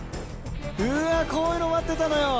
うわこういうの待ってたのよ！